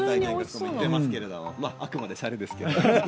あくまでしゃれですけどね。